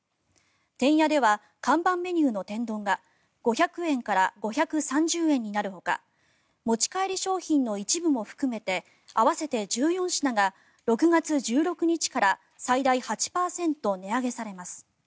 てんやでは看板メニューの天丼が５００円から５３０円になるほか持ち帰り商品の一部も含めて合わせて１４品が６月１６日から最大８％値上げされます。